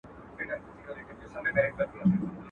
سپین کورونه تور زندان ګوره چي لا څه کیږي.